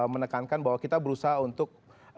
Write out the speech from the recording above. menekankan bahwa kita berusaha untuk